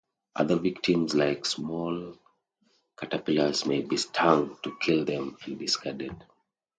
Other victims like small caterpillars may be stung to kill them and discarded.